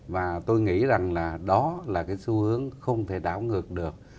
và tôi nghĩ rằng là đó là cái xu hướng không thể đảo ngược được